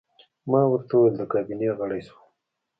ما ورته وویل: د کابینې غړی شوم.